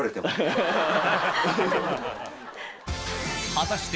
果たして